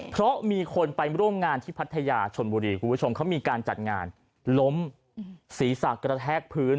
เพราะมีคนไปร่วมงานที่พัทยาชนบุรีคุณผู้ชมเขามีการจัดงานล้มศีรษะกระแทกพื้น